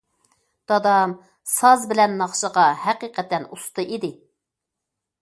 دادام ساز بىلەن ناخشىغا ھەقىقەتەن ئۇستا ئىدى.